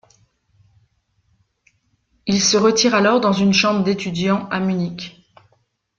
Il se retire alors dans une chambre d’étudiant à Munich.